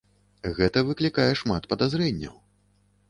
Гэта выклікае шмат падазрэнняў.